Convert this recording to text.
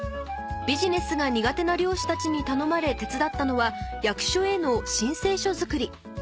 ビジネスが苦手な漁師たちに頼まれ手伝ったのは役所への申請書作り